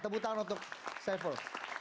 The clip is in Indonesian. tepuk tangan untuk saiful